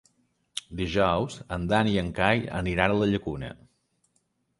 Dijous en Dan i en Cai aniran a la Llacuna.